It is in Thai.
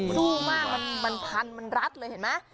สู้มากมันพันมันรัดเลยเห็นไหม